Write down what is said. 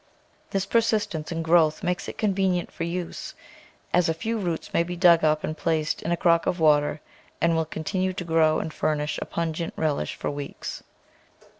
This persistence in growth makes it convenient for use, as a few roots may be dug up and placed in a crock of water and will continue to grow and furnish a pungent relish for weeks.